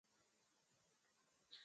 Tipen riŋ ga je twar kaa de waale.